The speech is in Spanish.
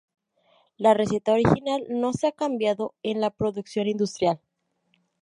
La receta original no se ha cambiado en la producción industrial.